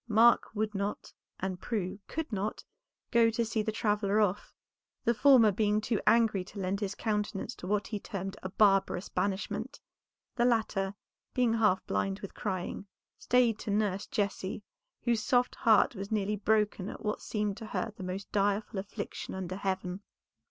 Mark would not, and Prue could not, go to see the traveller off; the former being too angry to lend his countenance to what he termed a barbarous banishment, the latter, being half blind with crying, stayed to nurse Jessie, whose soft heart was nearly broken at what seemed to her the most direful affliction under heaven.